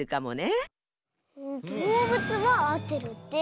どうぶつはあってるって。